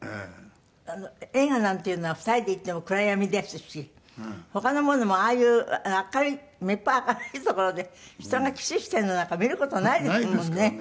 映画なんていうのは２人で行っても暗闇ですし他のものもああいうめっぽう明るいところで人がキスしているのなんか見る事ないですもんね。